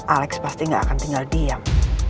alex pasti gak akan tinggal diam